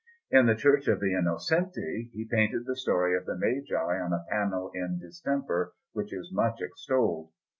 In the Church of the Innocenti he painted the Story of the Magi on a panel in distemper, which is much extolled.